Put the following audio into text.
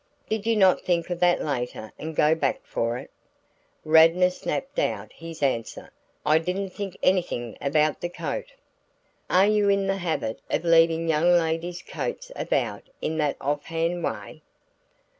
"Did you not think of that later and go back for it?" Radnor snapped out his answer. "No, I didn't think anything about the coat." "Are you in the habit of leaving young ladies' coats about in that off hand way?"